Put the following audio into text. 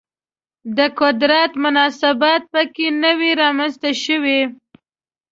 د قدرت مناسبات په کې نه وي رامنځته شوي